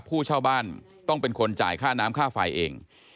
ผู้เช่าบ้านต้องเป็นคนจ่ายค่าน้ำค่าไฟเอง